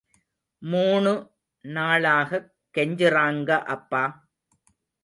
மூணு நாளாகக் கெஞ்சுறாங்க அப்பா.